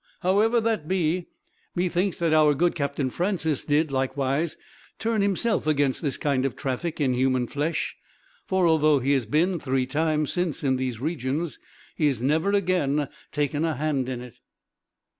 "However that be, methinks that our good Captain Francis did, likewise, turn himself against this kind of traffic in human flesh; for although he has been three times, since, in these regions, he has never again taken a hand in it.